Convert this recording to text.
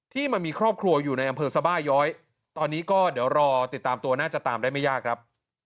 มันมีครอบครัวอยู่ในอำเภอสบาย้อยตอนนี้ก็เดี๋ยวรอติดตามตัวน่าจะตามได้ไม่ยากครับ